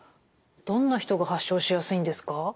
どんな人が発症しやすいんですか？